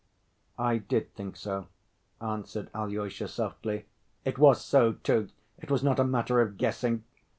"I did think so," answered Alyosha, softly. "It was so, too; it was not a matter of guessing.